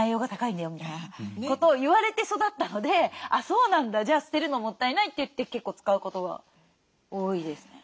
みたいなことを言われて育ったので「あっそうなんだ。じゃあ捨てるのもったいない」といって結構使うことが多いですね。